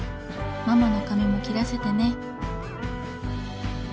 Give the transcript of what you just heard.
ママの髪も切らせてね」。